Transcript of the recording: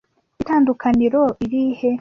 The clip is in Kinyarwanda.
Itandukaniro irihe?